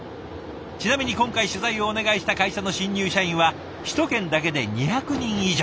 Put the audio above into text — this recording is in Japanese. ちなみに今回取材をお願いした会社の新入社員は首都圏だけで２００人以上。